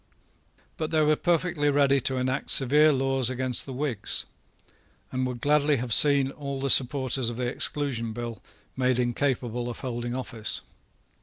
But they were perfectly ready to enact severe laws against the Whigs, and would gladly have seen all the supporters of the Exclusion Bill made incapable of holding office.